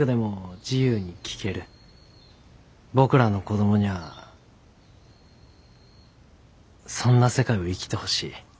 僕らの子供にゃあそんな世界を生きてほしい。